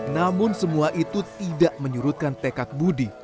namun semua itu tidak menyurutkan tekad budi